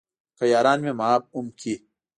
که یاران مې معاف هم کړي.